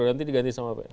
nanti diganti sama apa ya